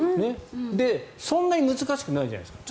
そんなに難しくないじゃないですか。